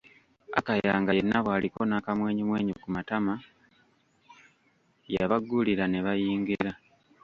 Akaya nga yenna bw'aliko n'akamwenyumwenyu ku matama yabaggulira ne bayingira.